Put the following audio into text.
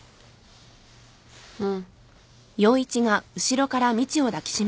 うん。